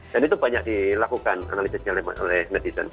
dan itu banyak dilakukan analisisnya oleh netizen